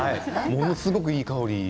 ものすごくいい香り。